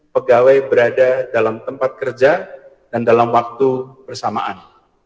pegawai berada dalam tempat kerja dan dalam waktu bersamaan